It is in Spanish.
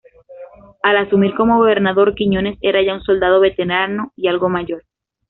Al asumir como gobernador, Quiñones era ya un soldado veterano y algo mayor.